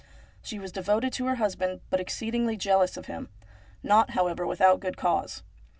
She was devoted to her husband, but exceedingly jealous of him ; not, however, with out good cause.